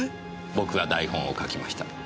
僕が台本を書きました。